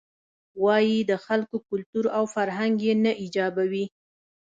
وایې د خلکو کلتور او فرهنګ یې نه ایجابوي.